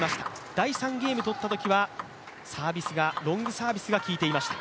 第３ゲームを取ったときはロングサービスが効いていました。